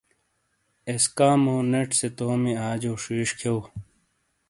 ایسکامو ٹیٹ سے تومی آجیو ݜیݜ کھؤ۔